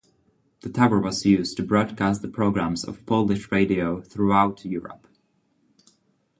The tower was used to broadcast the programs of Polish Radio throughout Europe.